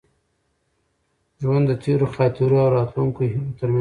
ژوند د تېرو خاطرو او راتلونکو هیلو تر منځ تېرېږي.